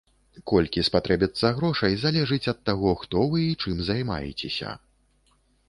Колькі спатрэбіцца грошай, залежыць ад таго, хто вы і чым займаецеся.